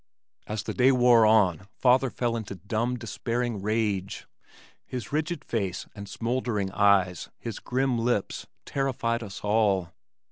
As the day wore on father fell into dumb, despairing rage. His rigid face and smoldering eyes, his grim lips, terrified us all.